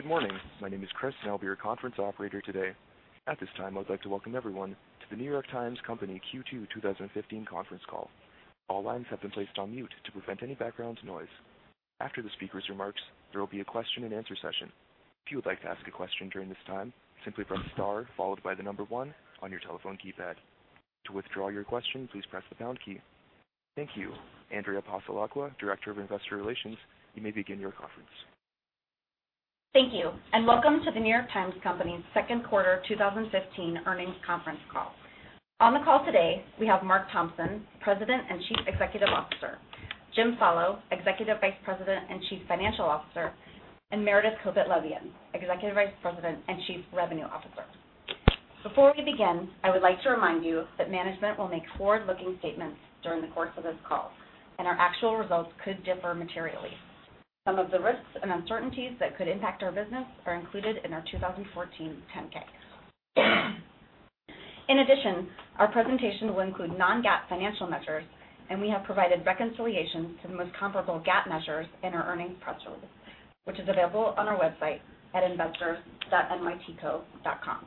Good morning. My name is Chris, and I'll be your conference operator today. At this time, I would like to welcome everyone to The New York Times Company Q2 2015 conference call. All lines have been placed on mute to prevent any background noise. After the speaker's remarks, there will be a question-and-answer session. If you would like to ask a question during this time, simply press star followed by the number one on your telephone keypad. To withdraw your question, please press the pound key. Thank you. Andrea Passalacqua, Director of Investor Relations, you may begin your conference. Thank you, and welcome to The New York Times Company's second quarter 2015 earnings conference call. On the call today, we have Mark Thompson, President and Chief Executive Officer, Jim Follo, Executive Vice President and Chief Financial Officer, and Meredith Kopit Levien, Executive Vice President and Chief Revenue Officer. Before we begin, I would like to remind you that management will make forward-looking statements during the course of this call, and our actual results could differ materially. Some of the risks and uncertainties that could impact our business are included in our 2014 10-K. In addition, our presentation will include non-GAAP financial measures, and we have provided reconciliations to the most comparable GAAP measures in our earnings press release, which is available on our website at investors.nytco.com.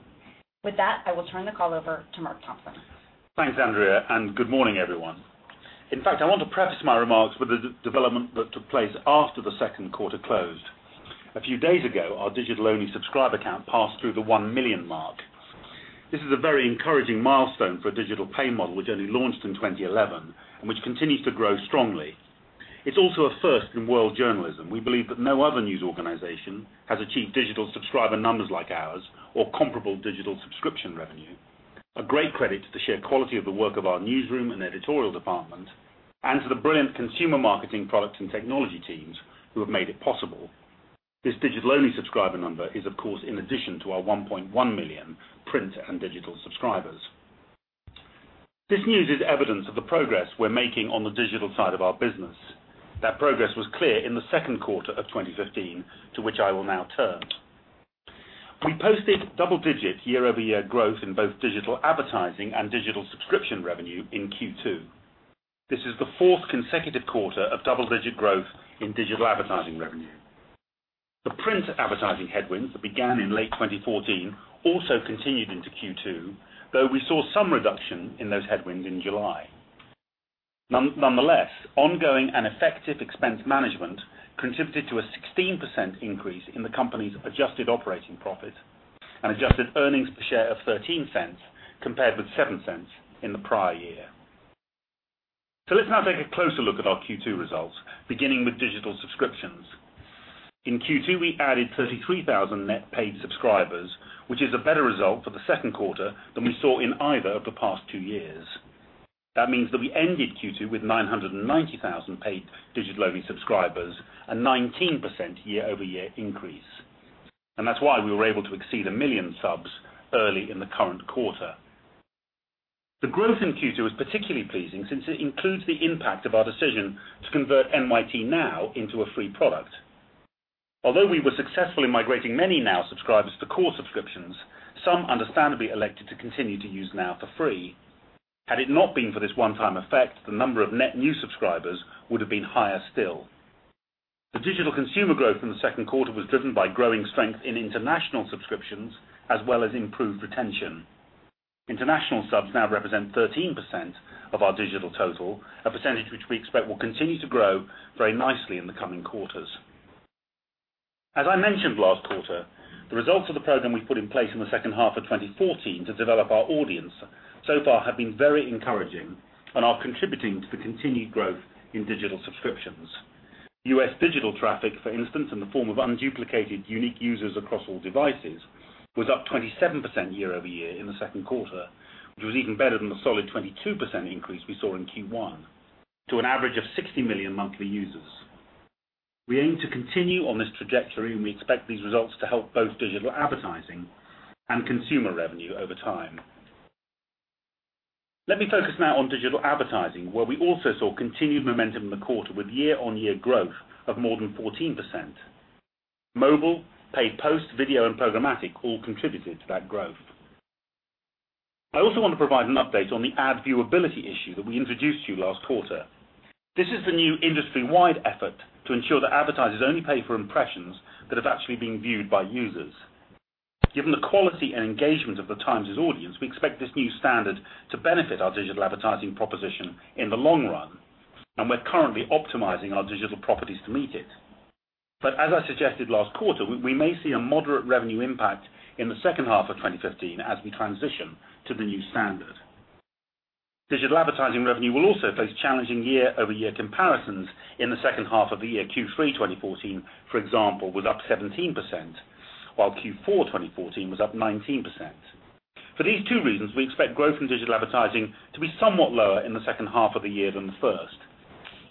With that, I will turn the call over to Mark Thompson. Thanks, Andrea, and good morning, everyone. In fact, I want to preface my remarks with the development that took place after the second quarter closed. A few days ago, our digital-only subscriber count passed through the 1 million mark. This is a very encouraging milestone for a digital pay model which only launched in 2011, and which continues to grow strongly. It's also a first in world journalism. We believe that no other news organization has achieved digital subscriber numbers like ours or comparable digital subscription revenue. A great credit to the sheer quality of the work of our newsroom and editorial department, and to the brilliant consumer marketing product and technology teams who have made it possible. This digital-only subscriber number is, of course, in addition to our 1.1 million print and digital subscribers. This news is evidence of the progress we're making on the digital side of our business. That progress was clear in the second quarter of 2015, to which I will now turn. We posted double-digit year-over-year growth in both digital advertising and digital subscription revenue in Q2. This is the fourth consecutive quarter of double-digit growth in digital advertising revenue. The print advertising headwinds that began in late 2014 also continued into Q2, though we saw some reduction in those headwinds in July. Nonetheless, ongoing and effective expense management contributed to a 16% increase in the company's adjusted operating profit and Adjusted Earnings Per Share of $0.13 compared with $0.07 in the prior year. Let's now take a closer look at our Q2 results, beginning with digital subscriptions. In Q2, we added 33,000 net paid subscribers, which is a better result for the second quarter than we saw in either of the past two years. That means that we ended Q2 with 990,000 paid digital-only subscribers, a 19% year-over-year increase. That's why we were able to exceed 1 million subs early in the current quarter. The growth in Q2 was particularly pleasing since it includes the impact of our decision to convert NYT Now into a free product. Although we were successful in migrating many Now subscribers to core subscriptions, some understandably elected to continue to use Now for free. Had it not been for this one-time effect, the number of net new subscribers would have been higher still. The digital consumer growth in the second quarter was driven by growing strength in international subscriptions, as well as improved retention. International subs now represent 13% of our digital total, a percentage which we expect will continue to grow very nicely in the coming quarters. As I mentioned last quarter, the results of the program we put in place in the second half of 2014 to develop our audience so far have been very encouraging and are contributing to the continued growth in digital subscriptions. U.S. digital traffic, for instance, in the form of unduplicated unique users across all devices, was up 27% year-over-year in the second quarter, which was even better than the solid 22% increase we saw in Q1, to an average of 60 million monthly users. We aim to continue on this trajectory, and we expect these results to help both digital advertising and consumer revenue over time. Let me focus now on digital advertising, where we also saw continued momentum in the quarter with year-on-year growth of more than 14%. Mobile, Paid Posts, video, and programmatic all contributed to that growth. I also want to provide an update on the ad viewability issue that we introduced to you last quarter. This is the new industry-wide effort to ensure that advertisers only pay for impressions that have actually been viewed by users. Given the quality and engagement of The Times' audience, we expect this new standard to benefit our digital advertising proposition in the long run, and we're currently optimizing our digital properties to meet it. As I suggested last quarter, we may see a moderate revenue impact in the second half of 2015 as we transition to the new standard. Digital advertising revenue will also face challenging year-over-year comparisons in the second half of the year. Q3 2014, for example, was up 17%, while Q4 2014 was up 19%. For these two reasons, we expect growth in digital advertising to be somewhat lower in the second half of the year than the first.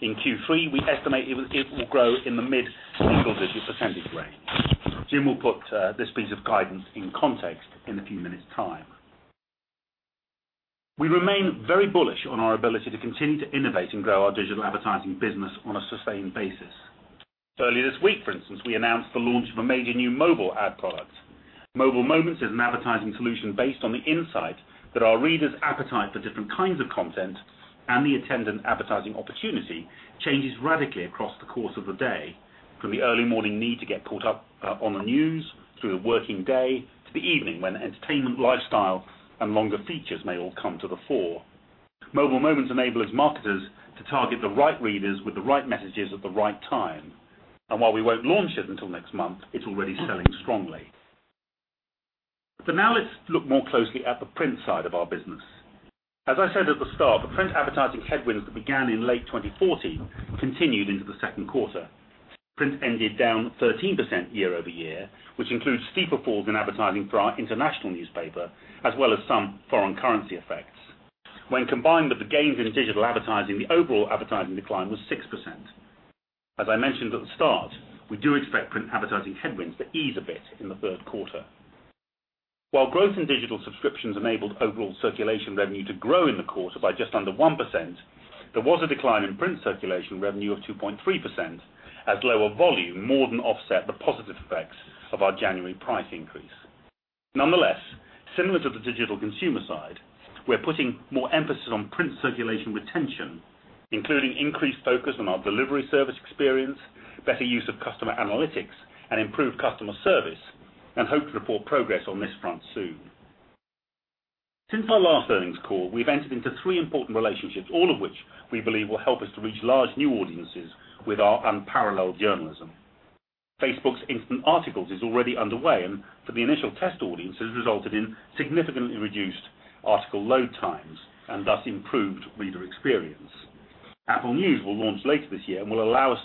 In Q3, we estimate it will grow in the mid-single-digit percentage range. Jim will put this piece of guidance in context in a few minutes' time. We remain very bullish on our ability to continue to innovate and grow our digital advertising business on a sustained basis. Earlier this week, for instance, we announced the launch of a major new mobile ad product. Mobile Moments is an advertising solution based on the insight that our readers' appetite for different kinds of content and the attendant advertising opportunity changes radically across the course of the day, from the early morning need to get caught up on the news, through the working day, to the evening, when entertainment, lifestyle, and longer features may all come to the fore. Mobile Moments enables marketers to target the right readers with the right messages at the right time. While we won't launch it until next month, it's already selling strongly. Now let's look more closely at the print side of our business. As I said at the start, the print advertising headwinds that began in late 2014 continued into the second quarter. Print ended down 13% year-over-year, which includes steeper falls in advertising for our international newspaper, as well as some foreign currency effects. When combined with the gains in digital advertising, the overall advertising decline was 6%. As I mentioned at the start, we do expect print advertising headwinds to ease a bit in the third quarter. While growth in digital subscriptions enabled overall circulation revenue to grow in the quarter by just under 1%, there was a decline in print circulation revenue of 2.3% as lower volume more than offset the positive effects of our January price increase. Nonetheless, similar to the digital consumer side, we're putting more emphasis on print circulation retention, including increased focus on our delivery service experience, better use of customer analytics, and improved customer service, and hope to report progress on this front soon. Since our last earnings call, we've entered into three important relationships, all of which we believe will help us to reach large new audiences with our unparalleled journalism. Facebook's Instant Articles is already underway, and for the initial test audiences, resulted in significantly reduced article load times and thus improved reader experience. Apple News will launch later this year and will allow us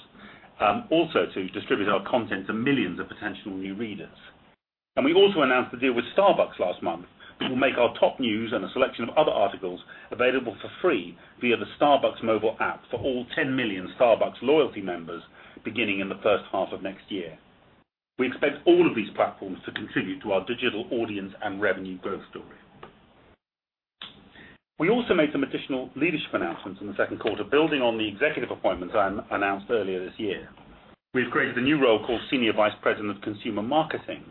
also to distribute our content to millions of potential new readers. We also announced the deal with Starbucks last month, which will make our top news and a selection of other articles available for free via the Starbucks mobile app for all 10 million Starbucks loyalty members beginning in the first half of next year. We expect all of these platforms to contribute to our digital audience and revenue growth story. We also made some additional leadership announcements in the second quarter, building on the executive appointments I announced earlier this year. We've created a new role called Senior Vice President of Consumer Marketing,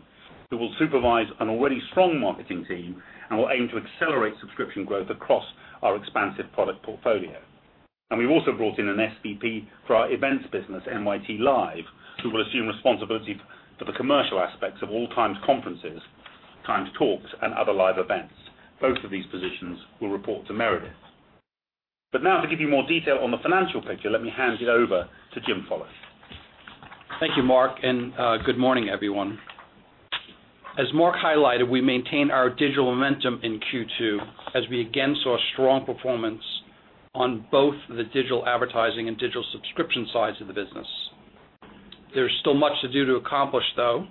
who will supervise an already strong marketing team and will aim to accelerate subscription growth across our expansive product portfolio. We've also brought in an SVP for our events business, NYT Live, who will assume responsibility for the commercial aspects of all Times conferences, TimesTalks, and other live events. Both of these positions will report to Meredith. Now, to give you more detail on the financial picture, let me hand it over to Jim Follo. Thank you, Mark, and good morning, everyone. As Mark highlighted, we maintained our digital momentum in Q2 as we again saw strong performance on both the digital advertising and digital subscription sides of the business. There's still much to do to accomplish though,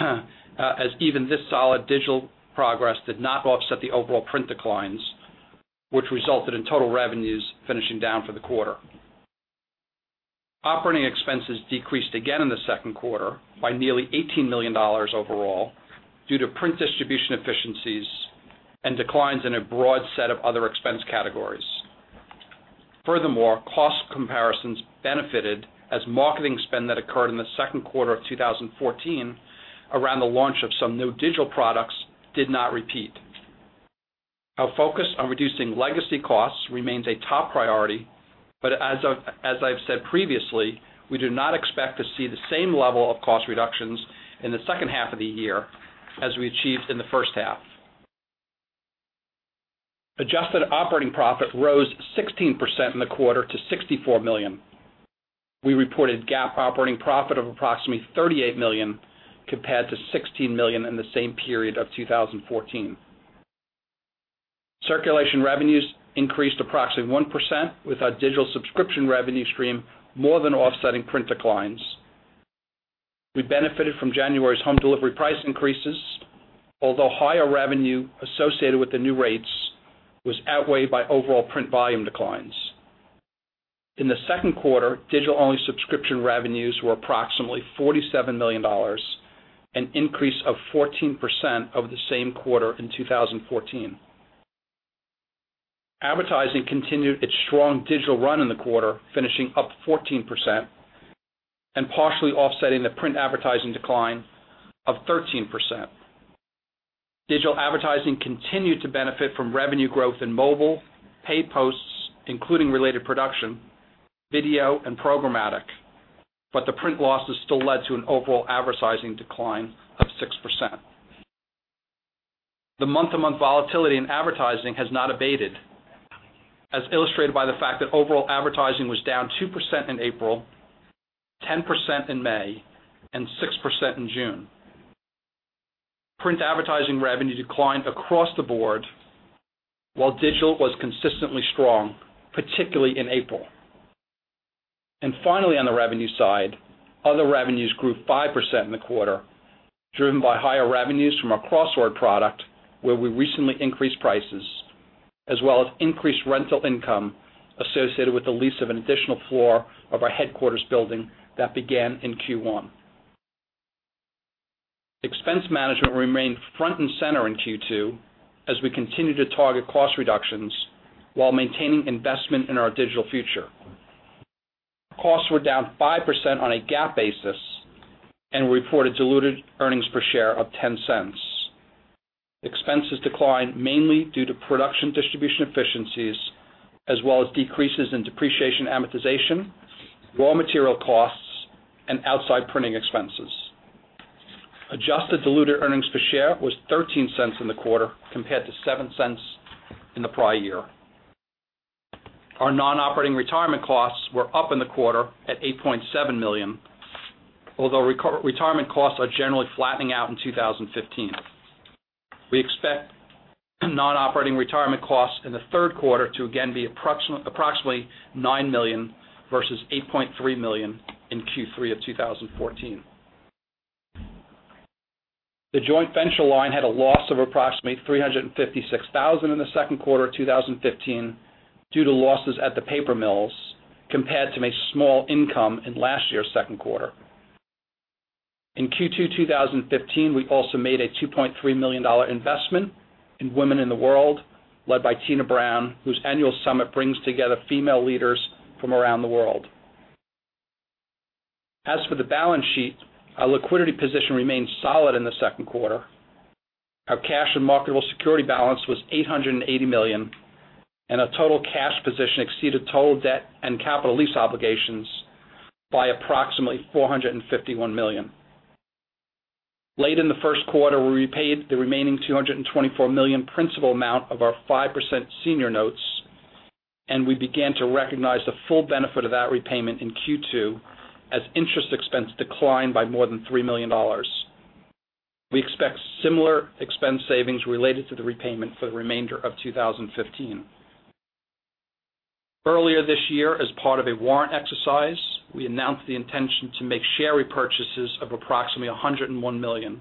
as even this solid digital progress did not offset the overall print declines, which resulted in total revenues finishing down for the quarter. Operating expenses decreased again in the second quarter by nearly $18 million overall due to print distribution efficiencies and declines in a broad set of other expense categories. Furthermore, cost comparisons benefited as marketing spend that occurred in the second quarter of 2014 around the launch of some new digital products did not repeat. Our focus on reducing legacy costs remains a top priority, but as I've said previously, we do not expect to see the same level of cost reductions in the second half of the year as we achieved in the first half. Adjusted operating profit rose 16% in the quarter to $64 million. We reported GAAP operating profit of approximately $38 million compared to $16 million in the same period of 2014. Circulation revenues increased approximately 1% with our digital subscription revenue stream more than offsetting print declines. We benefited from January's home delivery price increases, although higher revenue associated with the new rates was outweighed by overall print volume declines. In the second quarter, digital-only subscription revenues were approximately $47 million, an increase of 14% over the same quarter in 2014. Advertising continued its strong digital run in the quarter, finishing up 14% and partially offsetting the print advertising decline of 13%. Digital advertising continued to benefit from revenue growth in mobile, Paid Posts, including related production, video, and programmatic, but the print losses still led to an overall advertising decline of 6%. The month-to-month volatility in advertising has not abated, as illustrated by the fact that overall advertising was down 2% in April, 10% in May, and 6% in June. Print advertising revenue declined across the board, while digital was consistently strong, particularly in April. Finally, on the revenue side, other revenues grew 5% in the quarter, driven by higher revenues from our Crossword product, where we recently increased prices, as well as increased rental income associated with the lease of an additional floor of our headquarters building that began in Q1. Expense management remained front and center in Q2 as we continued to target cost reductions while maintaining investment in our digital future. Costs were down 5% on a GAAP basis, and we reported Diluted Earnings Per Share of $0.10. Expenses declined mainly due to production distribution efficiencies, as well as decreases in depreciation and amortization, raw material costs, and outside printing expenses. Adjusted Diluted Earnings Per Share was $0.13 in the quarter, compared to $0.07 in the prior year. Our non-operating retirement costs were up in the quarter at $8.7 million. Although retirement costs are generally flattening out in 2015. We expect non-operating retirement costs in the third quarter to again be approximately $9 million versus $8.3 million in Q3 of 2014. The joint venture line had a loss of approximately $356,000 in the second quarter of 2015 due to losses at the paper mills, compared to a small income in last year's second quarter. In Q2 2015, we also made a $2.3 million investment in Women in the World, led by Tina Brown, whose annual summit brings together female leaders from around the world. As for the balance sheet, our liquidity position remained solid in the second quarter. Our cash and marketable security balance was $880 million, and our total cash position exceeded total debt and capital lease obligations by approximately $451 million. Late in the first quarter, we repaid the remaining $224 million principal amount of our 5% senior notes, and we began to recognize the full benefit of that repayment in Q2, as interest expense declined by more than $3 million. We expect similar expense savings related to the repayment for the remainder of 2015. Earlier this year, as part of a warrant exercise, we announced the intention to make share repurchases of approximately 101 million,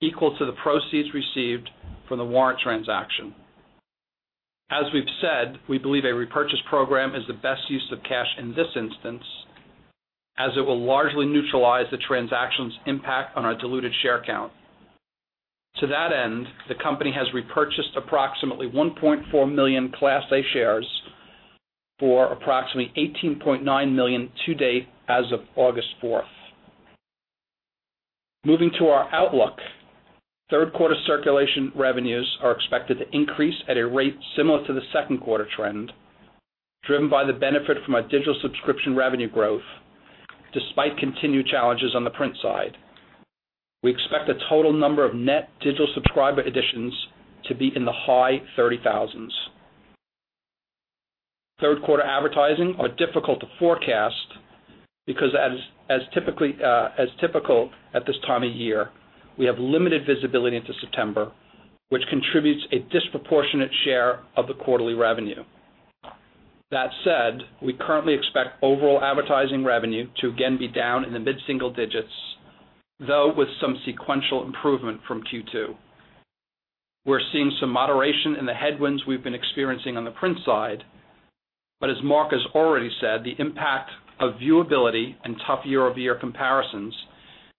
equal to the proceeds received from the warrant transaction. As we've said, we believe a repurchase program is the best use of cash in this instance, as it will largely neutralize the transaction's impact on our diluted share count. To that end, the company has repurchased approximately 1.4 million Class A shares for approximately $18.9 million to date as of August 4. Moving to our outlook. Third quarter circulation revenues are expected to increase at a rate similar to the second quarter trend, driven by the benefit from our digital subscription revenue growth, despite continued challenges on the print side. We expect the total number of net digital subscriber additions to be in the high 30,000s. Third quarter advertising are difficult to forecast because as typical at this time of year, we have limited visibility into September, which contributes a disproportionate share of the quarterly revenue. That said, we currently expect overall advertising revenue to again be down in the mid-single-digits, though with some sequential improvement from Q2. We're seeing some moderation in the headwinds we've been experiencing on the print side. As Mark has already said, the impact of viewability and tough year-over-year comparisons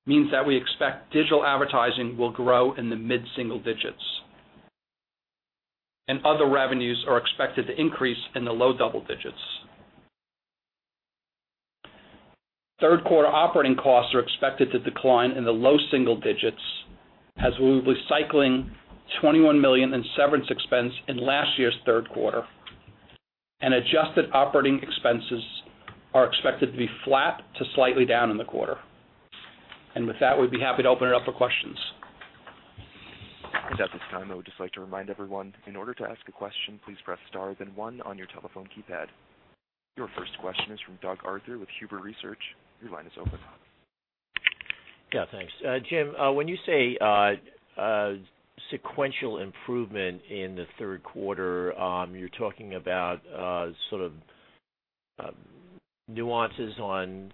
means that we expect digital advertising will grow in the mid-single-digits. Other revenues are expected to increase in the low double-digits. Third quarter operating costs are expected to decline in the low single-digits as we'll be cycling $21 million in severance expense in last year's third quarter, and adjusted operating expenses are expected to be flat to slightly down in the quarter. With that, we'd be happy to open it up for questions. At this time, I would just like to remind everyone, in order to ask a question, please press star, then one on your telephone keypad. Your first question is from Doug Arthur with Huber Research. Your line is open. Yeah, thanks. Jim, when you say sequential improvement in the third quarter, you're talking about sort of nuances on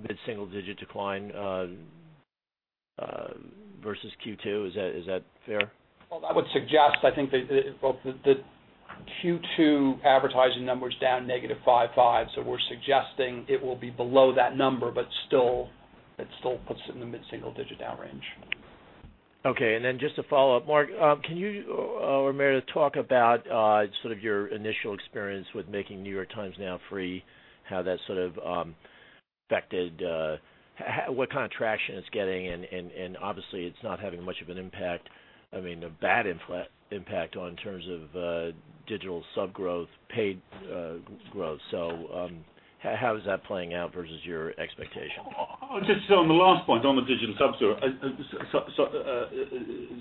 mid-single-digit decline versus Q2. Is that fair? Well, I would suggest, I think the Q2 advertising number's down -5.5%, so we're suggesting it will be below that number, but still, it still puts it in the mid-single-digit down range. Okay, just a follow-up. Mark or Meredith, talk about sort of your initial experience with making NYT Now free, how that sort of affected what kind of traction it's getting, and obviously, it's not having much of an impact, I mean, a bad impact in terms of digital sub growth, paid growth. How is that playing out versus your expectation? Just on the last point on the digital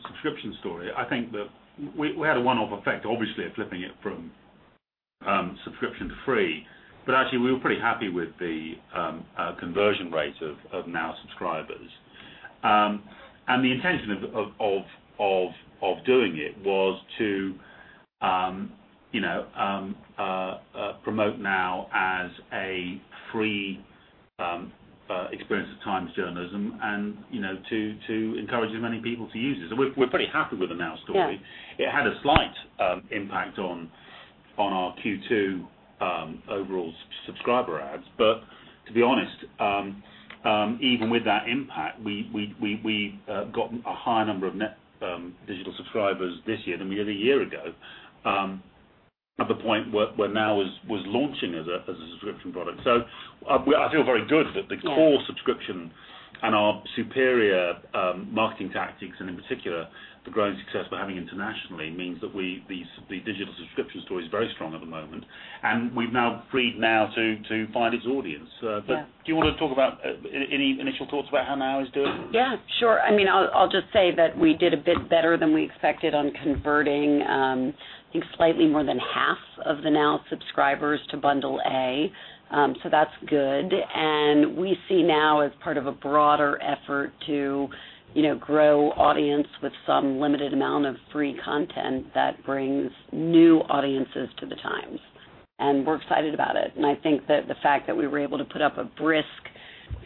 subscription story, I think that we had a one-off effect, obviously, of flipping it from subscription to free. Actually, we were pretty happy with the conversion rate of Now subscribers. The intention of doing it was to promote Now as a free experience of Times journalism and to encourage as many people to use it. We're pretty happy with the Now story. It had a slight impact on our Q2 overall subscriber adds. To be honest, even with that impact, we got a higher number of net digital subscribers this year than we did a year ago at the point where Now was launching as a subscription product. I feel very good that the core subscription and our superior marketing tactics, and in particular, the growing success we're having internationally, means that the digital subscription story is very strong at the moment, and we've now freed Now to find its audience. Do you want to talk about any initial thoughts about how Now is doing? Yeah, sure. I'll just say that we did a bit better than we expected on converting, I think slightly more than half of the Now subscribers to bundle A, so that's good. We see Now as part of a broader effort to grow audience with some limited amount of free content that brings new audiences to The Times, and we're excited about it. I think that the fact that we were able to put up a brisk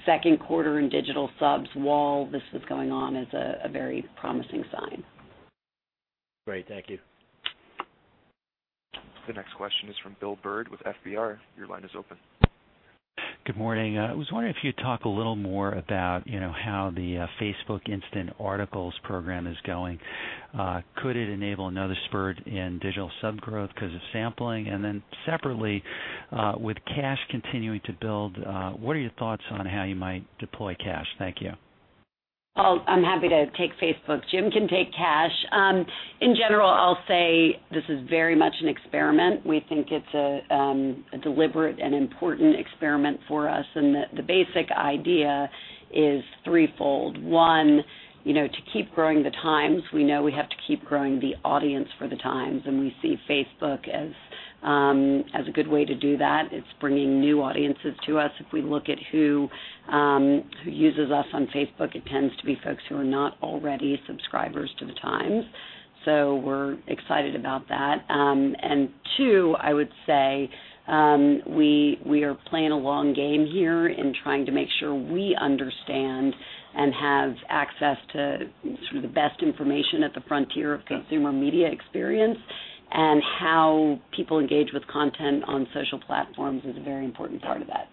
second quarter in digital subs while this was going on is a very promising sign. Great. Thank you. The next question is from Bill Bird with FBR. Your line is open. Good morning. I was wondering if you'd talk a little more about how the Facebook Instant Articles program is going. Could it enable another spurt in digital sub-growth because of sampling? Separately, with cash continuing to build, what are your thoughts on how you might deploy cash? Thank you. I'm happy to take Facebook. Jim can take cash. In general, I'll say this is very much an experiment. We think it's a deliberate and important experiment for us, and that the basic idea is threefold. One, to keep growing The Times, we know we have to keep growing the audience for The Times, and we see Facebook as a good way to do that. It's bringing new audiences to us. If we look at who uses us on Facebook, it tends to be folks who are not already subscribers to The Times. We're excited about that. Two, I would say, we are playing a long game here in trying to make sure we understand and have access to the best information at the frontier of consumer media experience, and how people engage with content on social platforms is a very important part of that.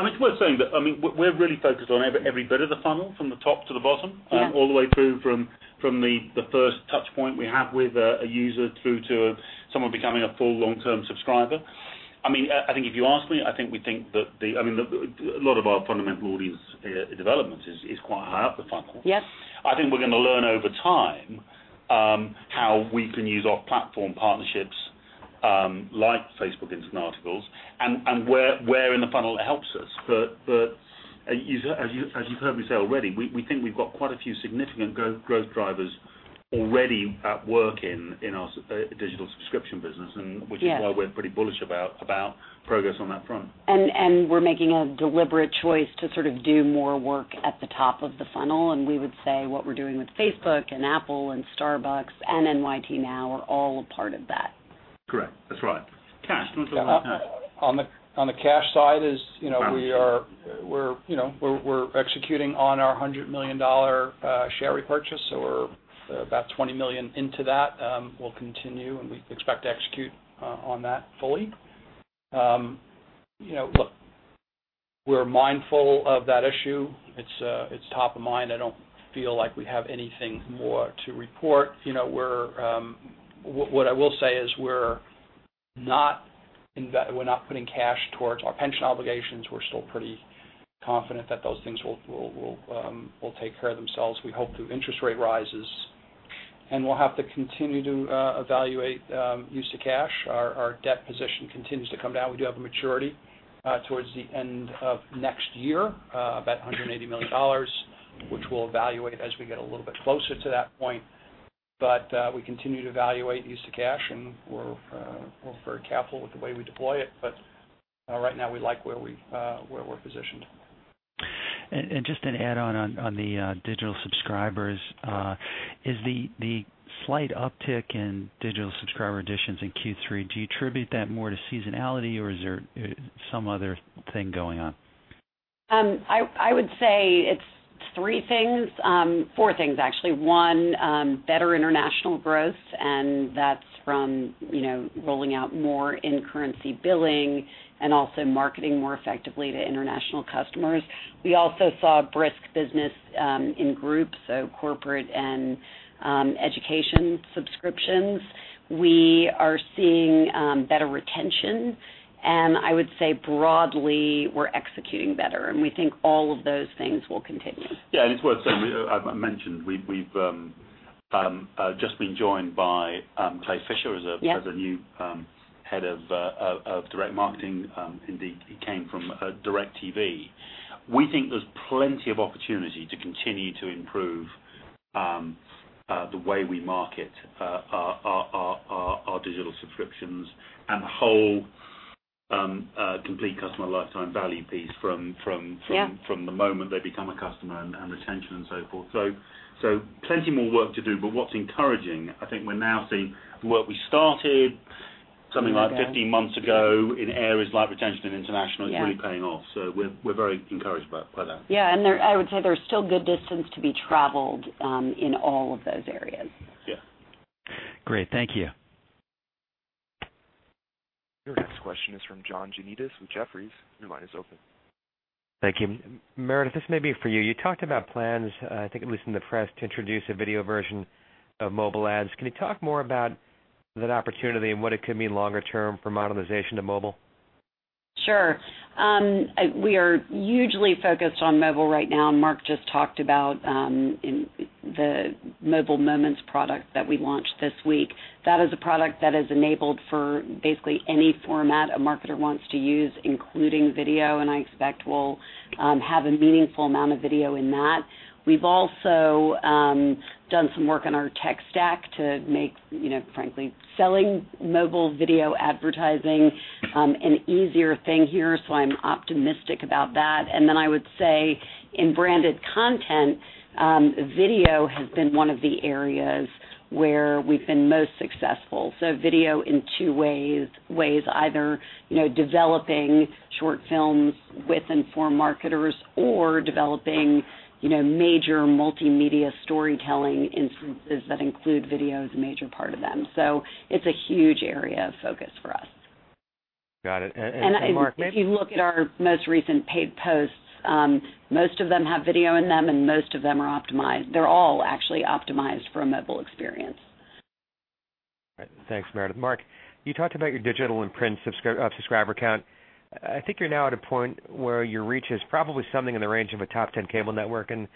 It's worth saying that we're really focused on every bit of the funnel, from the top to the bottom. All the way through from the first touchpoint we have with a user through to someone becoming a full long-term subscriber. I think if you ask me, I think we think that a lot of our fundamental audience development is quite high up the funnel. I think we're going to learn over time how we can use our platform partnerships, like Facebook Instant Articles, and where in the funnel it helps us. As you've heard me say already, we think we've got quite a few significant growth drivers already at work in our digital subscription business which is why we're pretty bullish about progress on that front. We're making a deliberate choice to do more work at the top of the funnel, and we would say what we're doing with Facebook and Apple and Starbucks and NYT Now are all a part of that. Correct. That's right. Cash. Do you want to talk about cash? On the cash side, we're executing on our $100 million share repurchase, so we're about $20 million into that. We'll continue, and we expect to execute on that fully. Look, we're mindful of that issue. It's top of mind. I don't feel like we have anything more to report. What I will say is we're not putting cash towards our pension obligations. We're still pretty confident that those things will take care of themselves. We hope through interest rate rises. We'll have to continue to evaluate use of cash. Our debt position continues to come down. We do have a maturity towards the end of next year, about $180 million, which we'll evaluate as we get a little bit closer to that point. We continue to evaluate use of cash, and we're very careful with the way we deploy it. Right now, we like where we're positioned. Just an add-on on the digital subscribers, the slight uptick in digital subscriber additions in Q3, do you attribute that more to seasonality or is there some other thing going on? I would say it's three things. Four things, actually. One, better international growth, and that's from rolling out more in-currency billing and also marketing more effectively to international customers. We also saw brisk business in groups, so corporate and education subscriptions. We are seeing better retention. I would say broadly, we're executing better, and we think all of those things will continue. Yeah, it's worth saying, I mentioned, we've just been joined by Clay Fisher as a new Head of Direct Marketing. Indeed, he came from DIRECTV. We think there's plenty of opportunity to continue to improve the way we market our digital subscriptions and the whole complete customer lifetime value piece from the moment they become a customer and retention and so forth. Plenty more work to do, but what's encouraging, I think we're now seeing the work we started something like 15 months ago in areas like retention and international is really paying off. We're very encouraged by that. Yeah. I would say there's still good distance to be traveled in all of those areas. Great. Thank you. Your next question is from John Janedis with Jefferies. Your line is open. Thank you. Meredith, this may be for you. You talked about plans, I think, at least in the press, to introduce a video version of mobile ads. Can you talk more about that opportunity and what it could mean longer term for monetization to mobile? Sure. We are hugely focused on mobile right now, and Mark just talked about the Mobile Moments product that we launched this week. That is a product that is enabled for basically any format a marketer wants to use, including video, and I expect we'll have a meaningful amount of video in that. We've also done some work on our tech stack to make, frankly, selling mobile video advertising an easier thing here, so I'm optimistic about that. I would say in branded content, video has been one of the areas where we've been most successful. Video in two ways, either developing short films with informed marketers or developing major multimedia storytelling instances that include video as a major part of them. It's a huge area of focus for us. Got it. If you look at our most recent Paid Posts, most of them have video in them and most of them are optimized. They're all actually optimized for a mobile experience. All right. Thanks, Meredith. Mark, you talked about your digital and print subscriber count. I think you're now at a point where your reach is probably something in the range of a top 10 cable network, and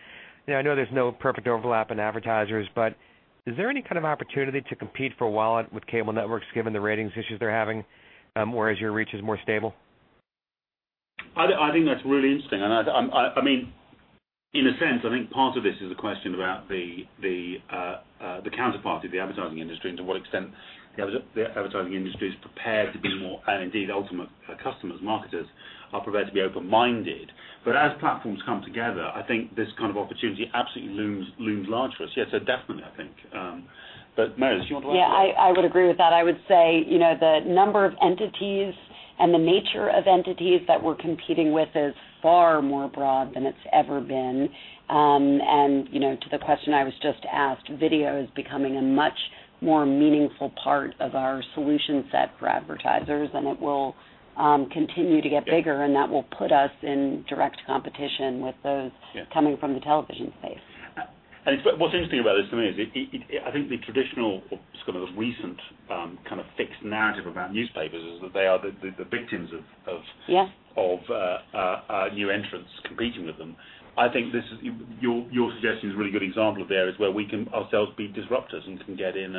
I know there's no perfect overlap in advertisers, but is there any kind of opportunity to compete for wallet with cable networks given the ratings issues they're having, whereas your reach is more stable? I think that's really interesting, and in a sense, I think part of this is a question about the counterpart of the advertising industry and to what extent the advertising industry is prepared to be more, and indeed, ultimate customers, marketers, are prepared to be open-minded. As platforms come together, I think this kind of opportunity absolutely looms large for us. Yeah. Definitely, I think. Meredith, do you want to add to that? Yeah, I would agree with that. I would say, the number of entities and the nature of entities that we're competing with is far more broad than it's ever been. To the question I was just asked, video is becoming a much more meaningful part of our solution set for advertisers, and it will continue to get bigger, and that will put us in direct competition with those coming from the television space. What's interesting about this to me is, I think the traditional or recent kind of fixed narrative around newspapers is that they are the victims of new entrants competing with them. I think your suggestion is a really good example of the areas where we can ourselves be disruptors and can get in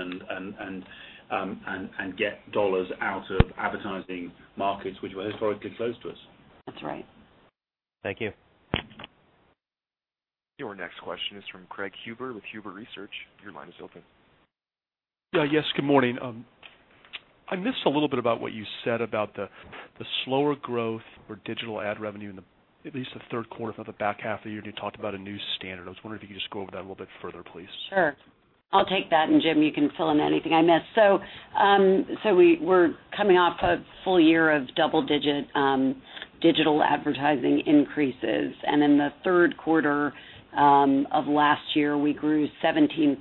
and get dollars out of advertising markets which were historically closed to us. That's right. Thank you. Your next question is from Craig Huber with Huber Research. Your line is open. Yes, good morning. I missed a little bit about what you said about the slower growth for digital ad revenue in at least the third quarter for the back half of the year, and you talked about a new standard. I was wondering if you could just go over that a little bit further, please. Sure. I'll take that, and Jim, you can fill in anything I miss. We were coming off a full year of double-digit digital advertising increases, and in the third quarter of last year, we grew 17%.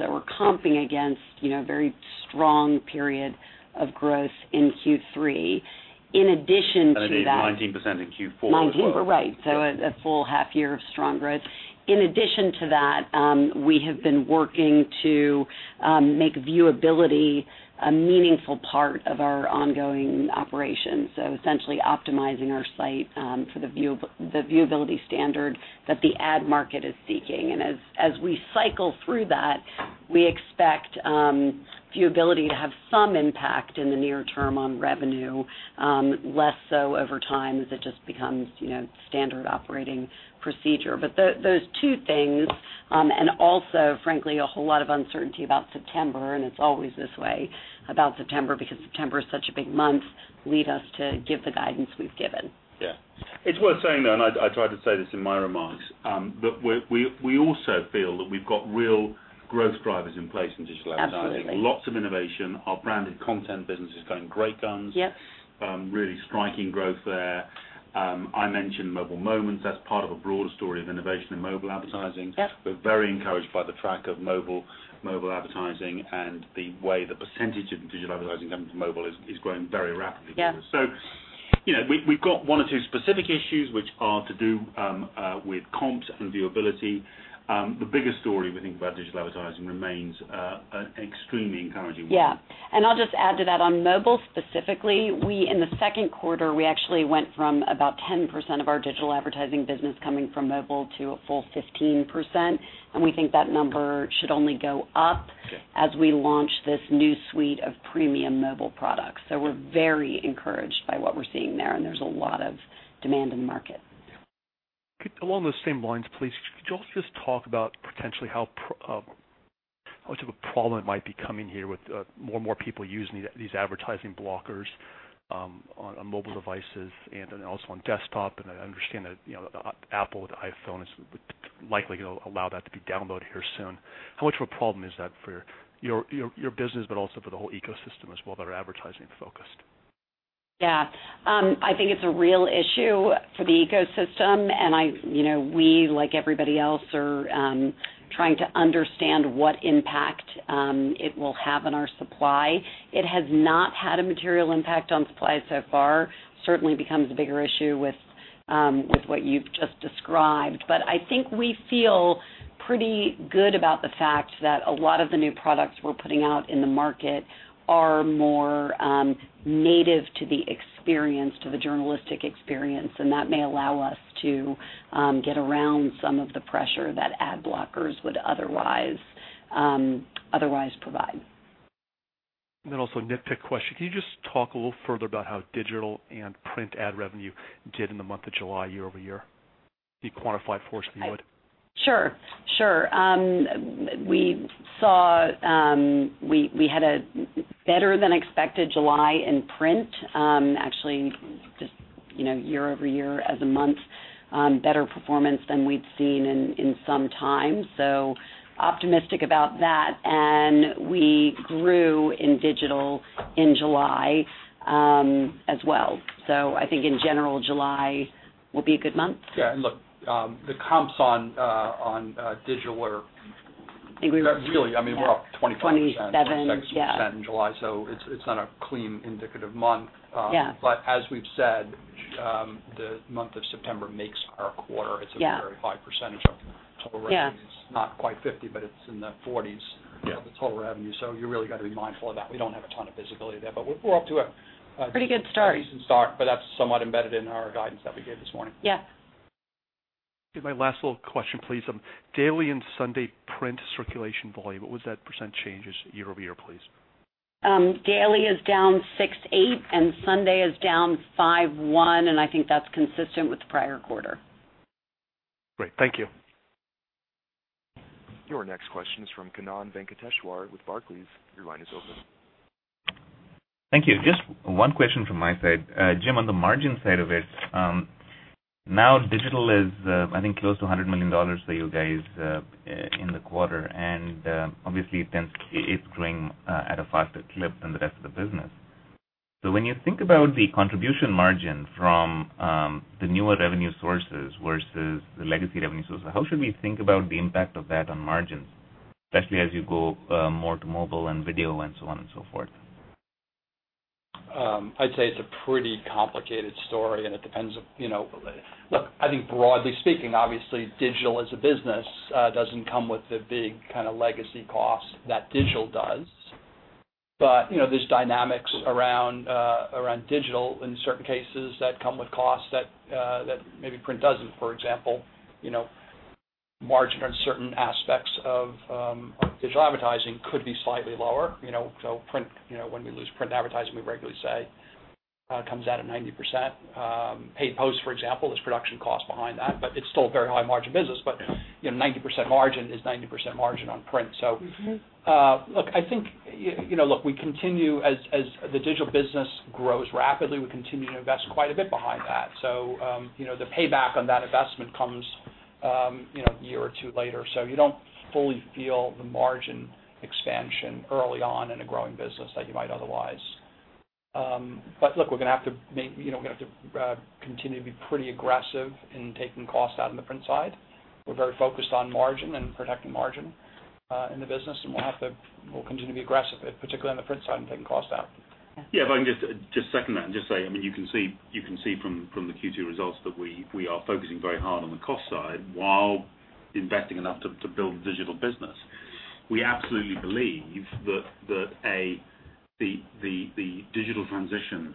We're comping against a very strong period of growth in Q3. In addition to that- It'll be 19% in Q4 as well.... 19%, right. A full half year of strong growth. In addition to that, we have been working to make viewability a meaningful part of our ongoing operations, so essentially optimizing our site for the viewability standard that the ad market is seeking. As we cycle through that, we expect viewability to have some impact in the near term on revenue, less so over time as it just becomes standard operating procedure. Those two things, and also frankly, a whole lot of uncertainty about September, and it's always this way about September because September is such a big month, lead us to give the guidance we've given. Yeah. It's worth saying, though, and I tried to say this in my remarks, that we also feel that we've got real growth drivers in place in digital advertising. Absolutely. Lots of innovation. Our branded content business is going great guns. Really striking growth there. I mentioned Mobile Moments. That's part of a broader story of innovation in mobile advertising. We're very encouraged by the track of mobile advertising and the way the percentage of digital advertising going to mobile is growing very rapidly for us. We've got one or two specific issues which are to do with comps and viewability. The bigger story, we think, about digital advertising remains extremely encouraging. Yeah. I'll just add to that. On mobile specifically, in the second quarter, we actually went from about 10% of our digital advertising business coming from mobile to a full 15%, and we think that number should only go up as we launch this new suite of premium mobile products. We're very encouraged by what we're seeing there, and there's a lot of demand in the market. Along those same lines, please, could you also just talk about potentially how much of a problem it might be coming here with more and more people using these ad blockers on mobile devices and then also on desktop, and I understand that Apple with the iPhone is likely going to allow that to be downloaded here soon. How much of a problem is that for your business but also for the whole ecosystem as well that are advertising-focused? Yeah. I think it's a real issue for the ecosystem, and we, like everybody else, are trying to understand what impact it will have on our supply. It has not had a material impact on supply so far. Certainly becomes a bigger issue with what you've just described. But I think we feel pretty good about the fact that a lot of the new products we're putting out in the market are more native to the experience, to the journalistic experience, and that may allow us to get around some of the pressure that ad blockers would otherwise provide. Also nitpicky question. Can you just talk a little further about how digital and print ad revenue did in the month of July year-over-year, if you would quantify it for us? Sure. We had a better-than-expected July in print. Actually, just year-over-year as a month, better performance than we'd seen in some time, so optimistic about that. We grew in digital in July as well. I think in general, July will be a good month. Yeah, look, the comps on digital were- I think we were-... really, we're up 27%-... 27%, yeah.... in July, so it's not a clean indicative month. As we've said, the month of September makes our quarter. It's a very high percentage of total revenue. It's not quite 50%, but it's in the 40% range of the total revenue. You really got to be mindful of that. We don't have a ton of visibility there, but we're up to a- Pretty good start.... a decent start, but that's somewhat embedded in our guidance that we gave this morning. Okay, my last little question, please. Daily and Sunday print circulation volume, what was that percentage change year-over-year, please? Daily is down 68% and Sunday is down 51%, and I think that's consistent with the prior quarter. Great. Thank you. Your next question is from Kannan Venkateshwar with Barclays. Your line is open. Thank you. Just one question from my side. Jim, on the margin side of it, now digital is, I think, close to $100 million for you guys in the quarter, and obviously it's growing at a faster clip than the rest of the business. When you think about the contribution margin from the newer revenue sources versus the legacy revenue sources, how should we think about the impact of that on margins? Especially as you go more to mobile and video and so on and so forth. I'd say it's a pretty complicated story, and it depends. Look, I think broadly speaking, obviously digital as a business doesn't come with the big legacy cost that print does. There's dynamics around digital in certain cases that come with costs that maybe print doesn't. For example, margin on certain aspects of digital advertising could be slightly lower. When we lose print advertising, we regularly say comes out of 90%. Paid Posts, for example, there's production cost behind that, but it's still a very high-margin business. 90% margin is 90% margin on print. Look, I think as the digital business grows rapidly, we continue to invest quite a bit behind that. The payback on that investment comes a year or two later. You don't fully feel the margin expansion early on in a growing business like you might otherwise. Look, we're gonna have to continue to be pretty aggressive in taking cost out in the print side. We're very focused on margin and protecting margin in the business, and we'll continue to be aggressive, particularly on the print side, in taking cost out. Yeah, if I can just second that and just say, you can see from the Q2 results that we are focusing very hard on the cost side while investing enough to build digital business. We absolutely believe that the digital transition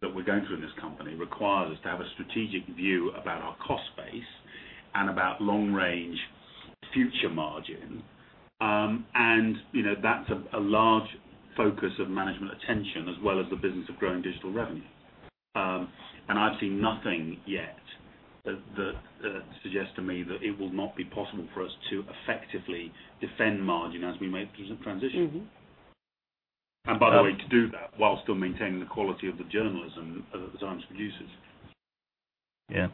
that we're going through in this company requires us to have a strategic view about our cost base and about long-range future margin. That's a large focus of management attention, as well as the business of growing digital revenue. I've seen nothing yet that suggests to me that it will not be possible for us to effectively defend margin as we make the transition. By the way, to do that while still maintaining the quality of the journalism that The Times produces. Yeah.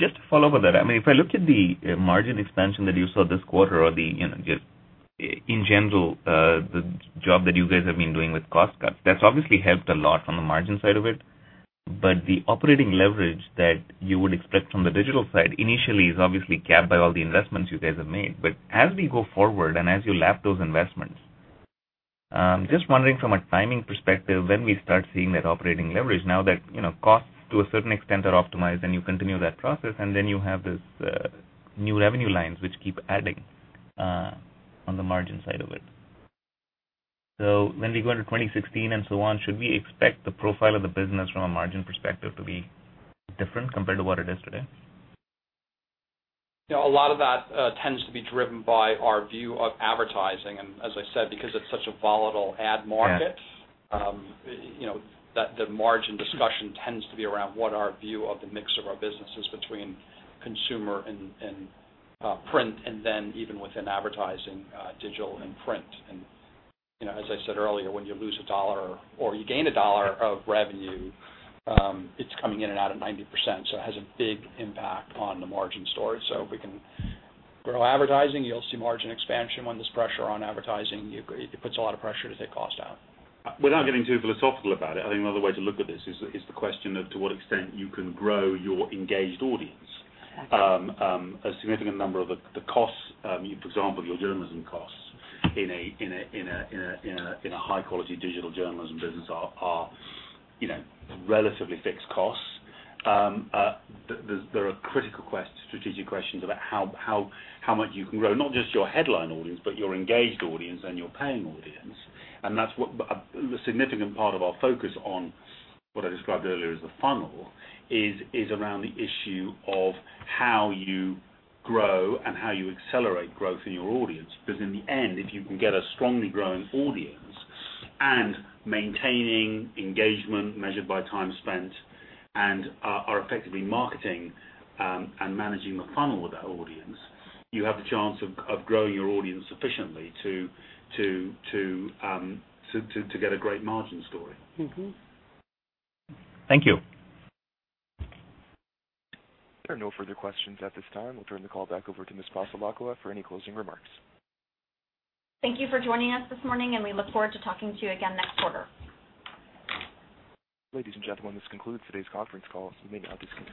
Just to follow up with that, if I look at the margin expansion that you saw this quarter or the, in general, the job that you guys have been doing with cost cuts, that's obviously helped a lot on the margin side of it. The operating leverage that you would expect from the digital side initially is obviously capped by all the investments you guys have made. As we go forward and as you lap those investments, I'm just wondering from a timing perspective, when we start seeing that operating leverage now that costs to a certain extent are optimized, and you continue that process, and then you have these new revenue lines which keep adding on the margin side of it. When we go into 2016 and so on, should we expect the profile of the business from a margin perspective to be different compared to what it is today? A lot of that tends to be driven by our view of advertising, as I said, because it's such a volatile ad market. The margin discussion tends to be around what our view of the mix of our business is between consumer and print, and then even within advertising, digital and print. As I said earlier, when you lose $1 or you gain $1 of revenue, it's coming in and out at 90%, so it has a big impact on the margin story. If we can grow advertising, you'll see margin expansion. When there's pressure on advertising, it puts a lot of pressure to take cost out. Without getting too philosophical about it, I think another way to look at this is the question of to what extent you can grow your engaged audience. Exactly. A significant number of the costs, for example, your journalism costs in a high-quality digital journalism business are relatively fixed costs. There are critical strategic questions about how much you can grow, not just your headline audience, but your engaged audience and your paying audience. That's what a significant part of our focus on what I described earlier as the funnel is around the issue of how you grow and how you accelerate growth in your audience. Because in the end, if you can get a strongly growing audience and maintaining engagement measured by time spent, and are effectively marketing and managing the funnel of that audience, you have the chance of growing your audience sufficiently to get a great margin story. Thank you. There are no further questions at this time. We'll turn the call back over to Ms. Passalacqua for any closing remarks. Thank you for joining us this morning, and we look forward to talking to you again next quarter. Ladies and gentlemen, this concludes today's conference call. You may now disconnect.